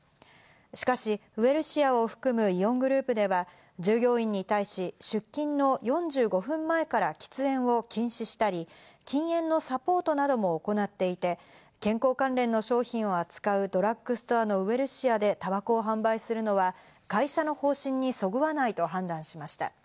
しかしウエルシアを含むイオングループでは、従業員に対し、出勤の４５分前から喫煙を禁止したり、禁煙のサポートなども行っていて、健康関連の商品を扱うドラッグストアのウエルシアで、たばこを販売するのは、会社の方針にそぐわないと判断しました。